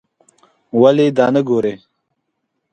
ولې دا نه ګورې.